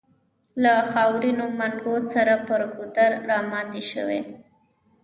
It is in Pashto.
له خاورينو منګو سره پر ګودر راماتې شوې.